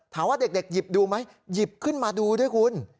ถามว่าเด็กหยิบดูไหมหยิบขึ้นมาดูด้วยคุณ